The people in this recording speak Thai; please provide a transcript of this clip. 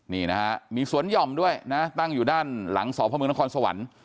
นี่นะฮะมีสวนหย่อมด้วยนะตั้งอยู่ด้านหลังสพมนครสวรรค์